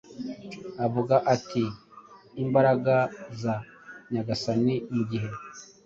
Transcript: avuga ati imbaraga za Nyagasani mugihe